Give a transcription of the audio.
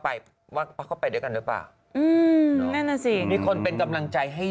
เพื่อนอ้ากมีแบบนี้ไปยูโรปนะใช่ปะ